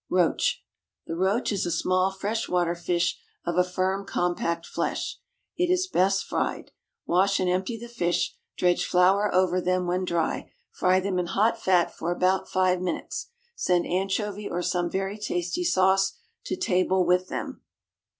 =Roach.= The roach is a small fresh water fish of a firm compact flesh. It is best fried. Wash and empty the fish, dredge flour over them when dry, fry them in hot fat for about five minutes. Send anchovy or some very tasty sauce to table with them.